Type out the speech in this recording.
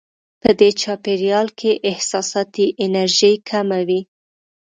په دې چاپېریال کې احساساتي انرژي کمه وي.